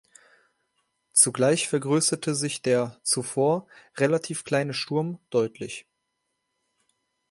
Zugleich vergrößerte sich der zuvor relativ kleine Sturm deutlich.